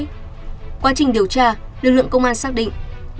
trong quá trình điều tra lực lượng công an xác định